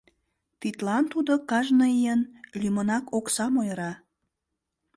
Тидлан тудо кажне ийын лӱмынак оксам ойыра.